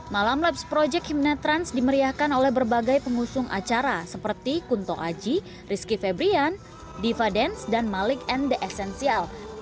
malam labs project himnet trans dimeriahkan oleh berbagai pengusung acara seperti kunto aji rizky febrian diva dance dan malik and the essential